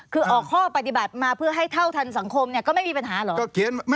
คือออกข้อปฏิบัติมาเพื่อให้เท่าทันสังคมเนี่ย